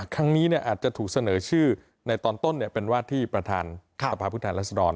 ครั้งนี้อาจจะถูกเสนอชื่อในตอนต้นเป็นว่าที่ประธานสภาพผู้แทนรัศดร